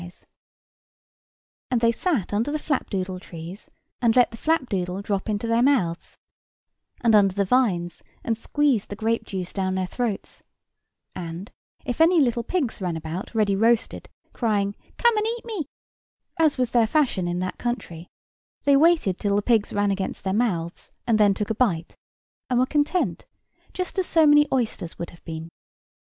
[Picture: Woman surrounded by fairies] And they sat under the flapdoodle trees, and let the flapdoodle drop into their mouths; and under the vines, and squeezed the grape juice down their throats; and, if any little pigs ran about ready roasted, crying, "Come and eat me," as was their fashion in that country, they waited till the pigs ran against their mouths, and then took a bite, and were content, just as so many oysters would have been.